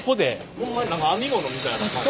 ホンマに何か編み物みたいな感じ。